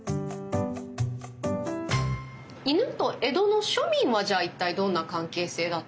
犬と江戸の庶民はじゃあ一体どんな関係性だったのか。